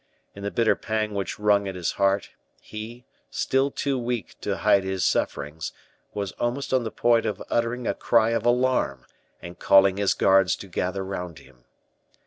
In the bitter pang which wrung his heart, he, still too weak to hide his sufferings, was almost on the point of uttering a cry of alarm, and calling his guards to gather round him.